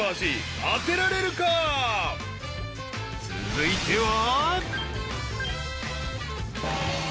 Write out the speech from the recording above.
［続いては］